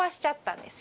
んです